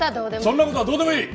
そんな事はどうでもいい！